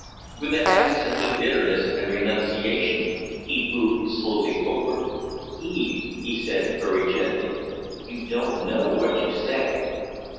With a heavy sense of bitterness and renunciation he moved slowly forward. "Eve," he said, very gently, "you don't know what you say."